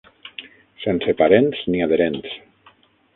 Sense parents ni adherents